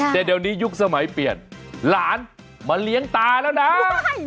แต่เดี๋ยวนี้ยุคสมัยเปลี่ยนหลานมาเลี้ยงตาแล้วนะ